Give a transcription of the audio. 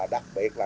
đặc biệt là